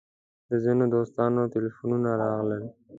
د ځینو دوستانو تیلفونونه راغلل.